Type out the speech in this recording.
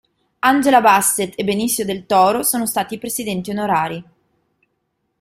Angela Bassett e Benicio del Toro sono stati i presidenti onorari.